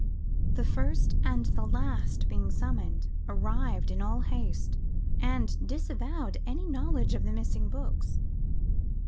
The first and the last, being summoned, arrived in all haste, and disavowed any knowledge of the missing books.